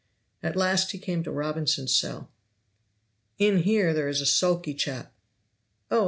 At last he came to Robinson's cell. "In here there is a sulky chap." "Oh!